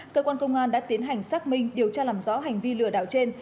cơ quan công an đã tiến hành xác minh điều tra làm rõ hành vi lừa đảo trên